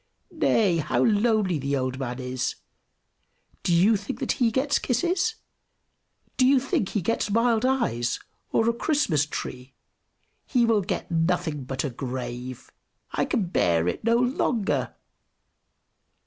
Nay, how lonely the old man is do you think that he gets kisses? Do you think he gets mild eyes, or a Christmas tree? He will get nothing but a grave! I can bear it no longer!"